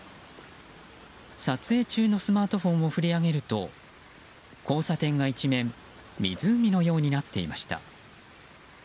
撮影中のスマートフォンを振り上げると交差点が一面湖のようになっていました。